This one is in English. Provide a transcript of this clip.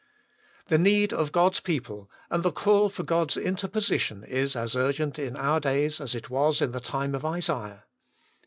The need of God's people, and the call for God's interposition, is as urgent in our days as it waa in the time of Isaiah.